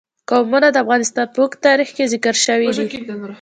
قومونه د افغانستان په اوږده تاریخ کې ذکر شوی دی.